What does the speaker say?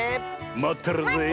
まってるぜえ。